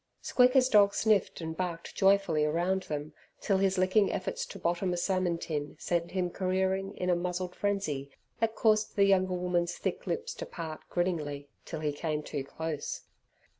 Squeaker's dog sniffed and barked joyfully around them till his licking efforts to bottom a salmon tin sent him careering in a muzzled frenzy, that caused the younger woman's thick lips to part grinningly till he came too close.